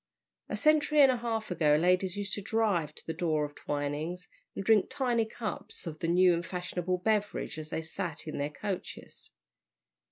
A century and a half ago ladies used to drive to the door of Twining's and drink tiny cups of the new and fashionable beverage as they sat in their coaches.